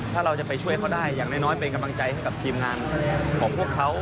ถ้าเราจะไปช่วยเขาได้อย่างน้อยเป็นกำลังใจให้กับทีมงานของพวกเขา